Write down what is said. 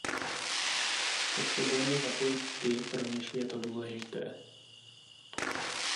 Potřebujeme zapojit ty, pro něž je to důležité.